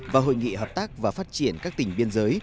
và hội nghị hợp tác và phát triển các tỉnh biên giới